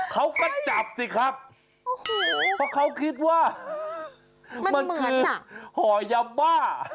เขาก็จับสิครับโอ้โหเพราะเขาคิดว่ามันคือห่อยาบ้า